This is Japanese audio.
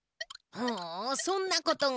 ほおそんなことが。